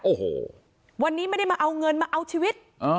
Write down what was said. โอ้โหวันนี้ไม่ได้มาเอาเงินมาเอาชีวิต